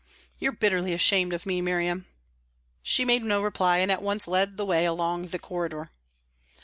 "You're bitterly ashamed of me, Miriam." She made no reply, and at once led the way along the corridor.